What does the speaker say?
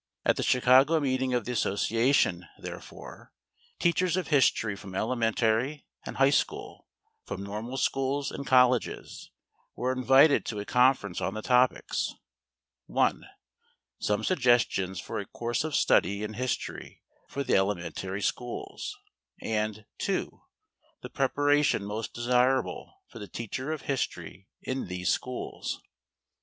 At the Chicago meeting of the association, therefore, teachers of history from elementary and high schools, from normal schools and colleges, were invited to a conference on the topics: (1) Some suggestions for a course of study in history for the elementary schools; and (2) the preparation most desirable for the teacher of history in these schools.